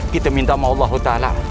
kita minta sama allah swt